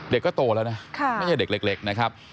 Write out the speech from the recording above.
เด็กก็โตแล้วนะไม่ใช่เด็กเล็กนะครับ